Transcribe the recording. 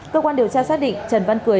cơ quan điều tra xác định trần văn cười